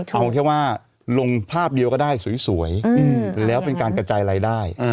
เอาแค่ว่าลงภาพเดียวก็ได้สวยแล้วเป็นการกระจายรายได้